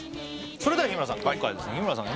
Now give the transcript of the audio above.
それでは日村さん